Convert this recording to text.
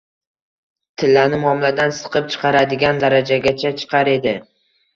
Tillani muomaladan siqib chiqaradigan darajagacha chiqar edi.